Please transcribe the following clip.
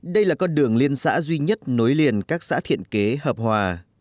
đây là con đường liên xã duy nhất nối liền các xã thiện kế hợp hòa